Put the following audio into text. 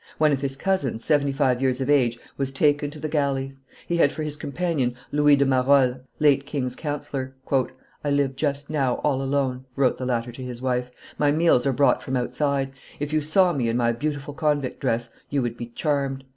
One of his cousins, seventy five years of age, was taken to the galleys. He had for his companion Louis de Marolles, late king's councillor. "I live just now all alone," wrote the latter to his wife. "My meals are brought from outside; if you saw me in my beautiful convict dress, you would be charmed.